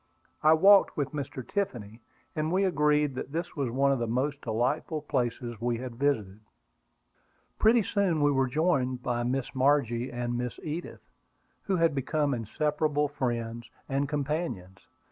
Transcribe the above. I walked with Mr. Tiffany, and we agreed that this was one of the most delightful places we had visited. Pretty soon we were joined by Miss Margie and Miss Edith, who had become inseparable friends and companions.